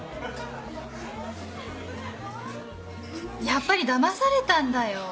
やっぱりだまされたんだよ！